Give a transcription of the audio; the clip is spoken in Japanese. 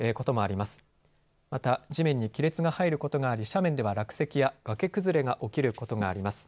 また地面に亀裂が入ることがあり斜面では落石や崖崩れが起きることがあります。